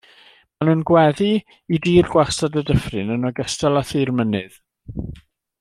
Maen nhw'n gweddu i dir gwastad y dyffryn yn ogystal â thir mynydd.